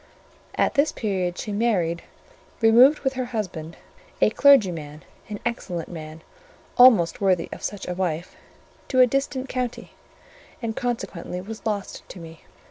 At this period she married, removed with her husband (a clergyman, an excellent man, almost worthy of such a wife) to a distant county, and consequently was lost to me.